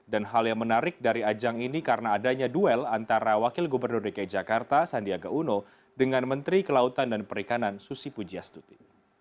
dan hal yang menarik dari ajang ini karena adanya duel antara wakil gubernur dki jakarta sandiaga uno dengan menteri kelautan dan perikanan susi pujiastuti